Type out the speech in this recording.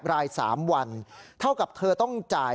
ลายสามวันเท่าที่เธอต้องจ่าย